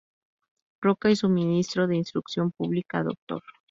Roca y su ministro de Instrucción Pública, Dr.